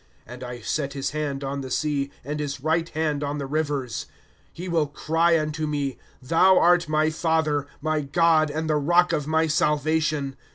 ^^ And I set his hand on the sea, And his right hand on the rivers. 2s He will cry unto me : Thou art my father ; My Grod, and the rock of my salvation.